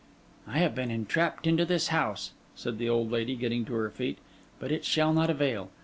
'I have been entrapped into this house,' said the old lady, getting to her feet. 'But it shall not avail.